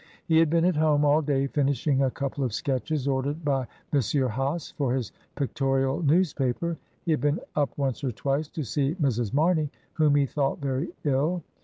He had been at home all day finishing a couple of sketches ordered by M. Hase for his pictorial newspaper; he had been up once or twice to see Mrs. Marney, whom he thought very ill.